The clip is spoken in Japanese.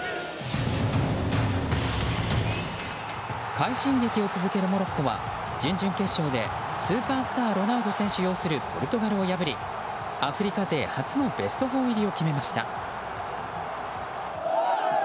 快進撃を続けるモロッコは準々決勝でスーパースターロナウド選手擁するポルトガルを破りアフリカ勢初のベスト４入りを決めました。